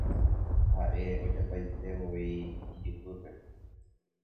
ha'e ajapaitévo ijypýpe